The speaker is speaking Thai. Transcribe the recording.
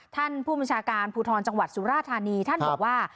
ท่านผู้บัญชาการภูทรจังหวัดสุราธานีท่านบอกว่า